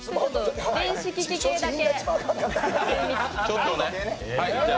電子機器系だけ。